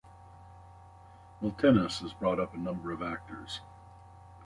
Miltinis has brought up a number of actors.